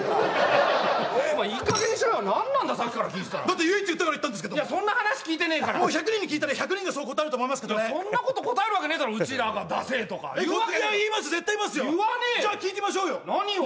お前いいかげんにしろよ何なんださっきから聞いてたらだって言えって言ったからそんな話聞いてねえから１００人に聞いたら１００人がそう答えると思いますけどねそんなこと答えるわけねえだろうちらがダセエとか言うわけねえよ言います絶対言いますよ言わねえよじゃあ聞いてみましょうよ何を？